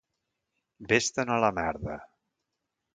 Ves-te'n a la merda!